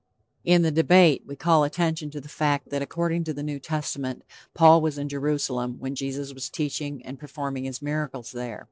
In The Debate we call attention to the fact that according to the New Testament, Paul was in Jerusalem when Jesus was teaching and performing his miracles there.